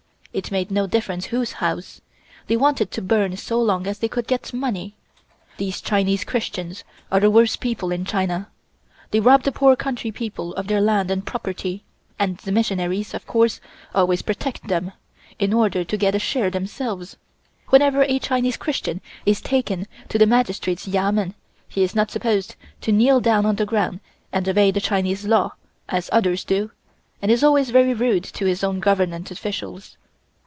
It made no difference whose house. They wanted to burn so long as they could get money. These Chinese Christians are the worst people in China. They rob the poor country people of their land and property, and the missionaries, of course, always protect them, in order to get a share themselves. Whenever a Chinese Christian is taken to the Magistrate's Yamen, he is not supposed to kneel down on the ground and obey the Chinese law, as others do, and is always very rude to his own Government Officials.